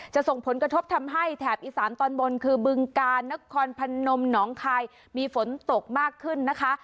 ส่งผลกระทบทำให้แถบอีสานตอนบนคือบึงกาลนครพนมหนองคายมีฝนตกมากขึ้นนะคะ